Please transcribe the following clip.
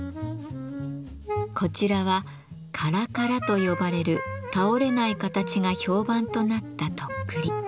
こちらは「カラカラ」と呼ばれる倒れない形が評判となったとっくり。